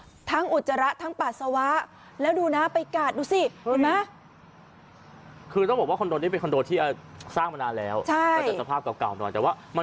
ทั้งอุจจาระทั้งปัสสาวะแล้วดูนะไปกาดดูสิเห็นไหม